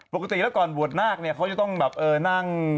ปกติแล้วก่อนบวชนากที่เขาจะต้องนั่ง